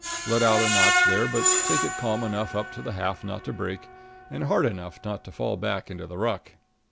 Let out a notch there, but take it calm enough up to the half not to break, and hard enough not to fall back into the ruck.